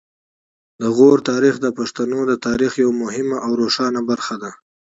د غور تاریخ د پښتنو د تاریخ یوه مهمه او روښانه برخه ده